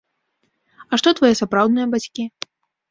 А што твае сапраўдныя бацькі?